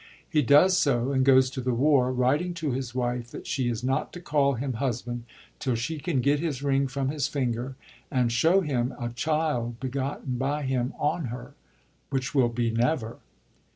He does so, and goes to the war, writing to his wife that she is not to call him husband till she can get his ring from his finger, and show him a child begotten by him on her— which will be never.